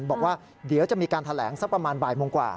บอกว่าเดี๋ยวจะมีการแถลงสักประมาณบ่ายโมงกว่า